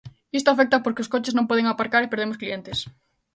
Isto afecta porque os coches non poden aparcar e perdemos clientes.